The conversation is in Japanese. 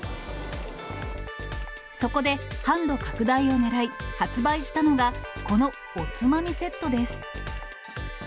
そこで、販路拡大を狙い発売したのが、このおつまみセットです。